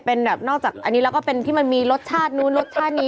เป็นแบบนอกจากอันนี้แล้วก็เป็นที่มันมีรสชาตินู้นรสชาตินี้